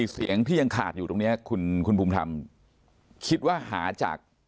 เสียงที่ยังขาดอยู่ตรงนี้คุณภูมิธรรมคิดว่าหาจาก